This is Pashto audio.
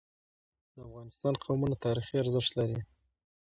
د افغانستان قومونه تاریخي ارزښت لري.